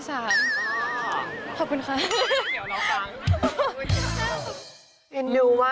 ขอบคุณค่ะฮ่าฮ่าฮ่าฮ่าฮ่าฮ่าฮ่าฮ่าฮ่าฮ่าฮ่าฮ่าฮ่าฮ่าฮ่าฮ่าฮ่าฮ่าฮ่าฮ่าฮ่า